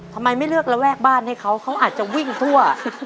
ทำไมไม่เลือกระแวกบ้านให้เขาเขาอาจจะวิ่งทั่ว